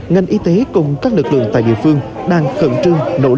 ngành y tế cùng các lực lượng tại địa phương đang khẩn trương nỗ lực dập dịch